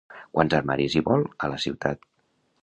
Quants armaris hi vol, a la ciutat?